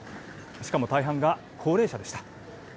しかも、大半が高齢者でした。